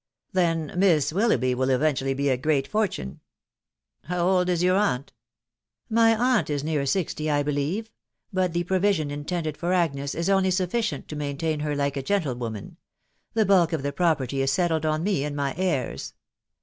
" Then Miss Willoughhy will eventually be a great for tune How old is your aunt ?"" My aunt is near sixty, I believe, .... but the provision intended for Agnes is only sufficient to maintain her like a gentlewoman. The bulk of the property is settled on me and my heirs."